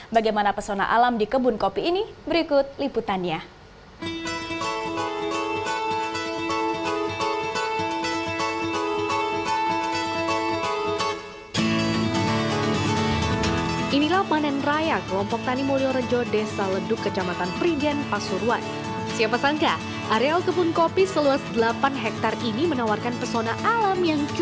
bagaimana pesona alam di kebun kopi ini berikut liputannya